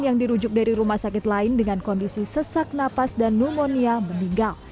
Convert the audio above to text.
yang dirujuk dari rumah sakit lain dengan kondisi sesak napas dan pneumonia meninggal